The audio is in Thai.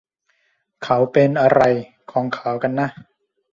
เขาเป็นอะไรของเขากันนะ